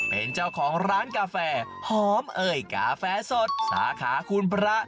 เป็นเจ้าของร้านกาแฟหอมเอ่ยกาแฟสดสาขาคุณพระ